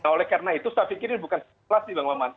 nah oleh karena itu saya pikir ini bukan spekulasi bang maman